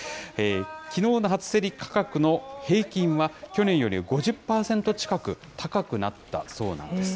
きのうの初競り価格の平均は、去年より５０％近く高くなったそうなんです。